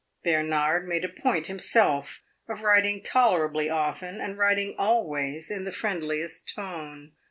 Bernard made a point, himself, of writing tolerably often and writing always in the friendliest tone.